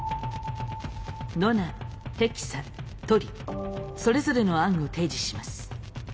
ノナヘキサトリそれぞれの案を提示します。